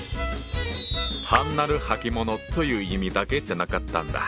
単なる履物という意味だけじゃなかったんだ。